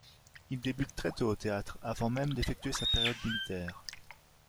Il débute très tôt au Théâtre, avant même d'effectuer sa période militaire.